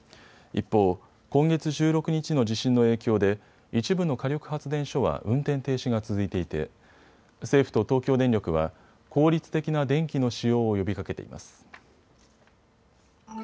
一方、今月１６日の地震の影響で一部の火力発電所は運転停止が続いていて政府と東京電力は効率的な電気の使用を呼びかけています。